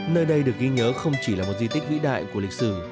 nơi đây được ghi nhớ không chỉ là một di tích vĩ đại của lịch sử